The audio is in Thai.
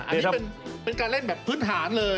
อันนี้เป็นการเล่นแบบพื้นฐานเลย